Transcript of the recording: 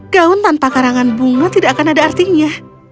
gaun tanpa karangan bunga tidak akan ada artinya